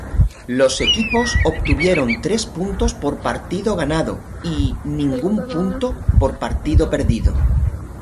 Los equipos obtuvieron tres puntos por partido ganado y ningún punto por partido perdido.